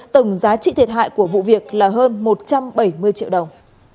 tổng giá trị thiệt hại của vụ việc là hơn một trăm bảy mươi triệu đồng